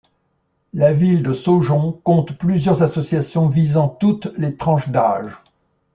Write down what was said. La ville de Saujon compte plusieurs associations visant toutes les tranches d'âges.